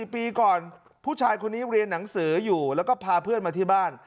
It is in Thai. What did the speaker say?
๔ปีก่อนผู้ชายคนนี้เรียนหนังสืออยู่แล้วก็พาเพื่อนมาที่บ้าน